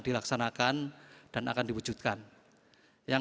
dilaksanakan dan akan diwujudkan yang